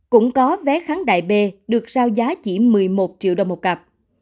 cũng có vé kháng đại b được sao giá chỉ một mươi một triệu đồng một cặp